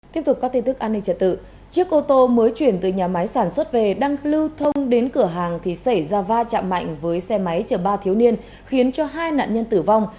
tiếp tục các tin tức an ninh trật tự chiếc ô tô mới chuyển từ nhà máy sản xuất về đang lưu thông đến cửa hàng thì xảy ra va chạm mạnh với xe máy chở ba thiếu niên khiến cho hai nạn nhân tử vong